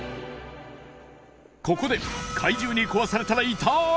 ここで怪獣に壊されたら痛ーい！